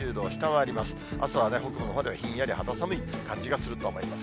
あすは北部のほうでは、ひんやり肌寒い感じがすると思います。